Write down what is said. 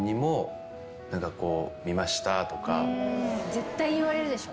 絶対言われるでしょ。